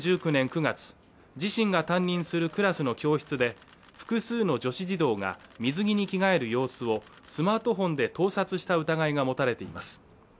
２０１９年９月自身が担任するクラスの教室で複数の女子児童が水着に着替える様子をスマートフォンで盗撮した疑いが持たれています